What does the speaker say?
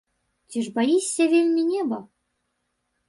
Ці ж баішся вельмі неба?